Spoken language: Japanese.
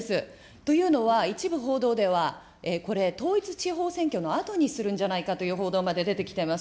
というのは、一部報道では、これ、統一地方選挙のあとにするんじゃないかという報道まで出てきてます。